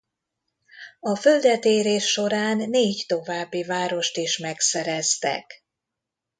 A földet érés során négy további várost is megszereztek.